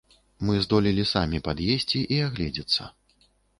Мы здолелі самі пад'есці і агледзецца.